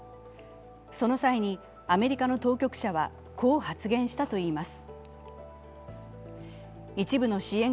その際にアメリカの当局者はこう発言したといいます。